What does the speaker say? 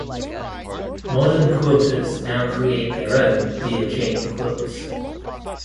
Modern quilters now create their own Dear Jane quilts.